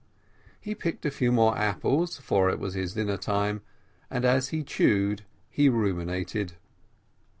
He picked a few more apples, for it was his dinner time, and as he chewed he ruminated.